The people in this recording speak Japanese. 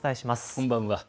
こんばんは。